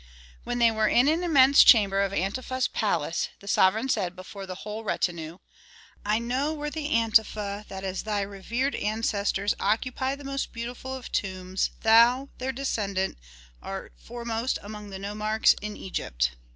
When they were in an immense chamber of Antefa's palace the sovereign said before the whole retinue, "I know, worthy Antefa, that as thy revered ancestors occupy the most beautiful of tombs, thou, their descendant, art foremost among nomarchs in Egypt.